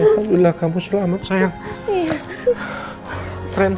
alhamdulillah kamu selamat sayang